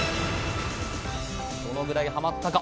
どのぐらいハマったか。